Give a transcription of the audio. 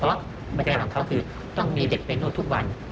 เพราะหัวใจของเขาคือต้องมีเด็กไปนวดทุกวัน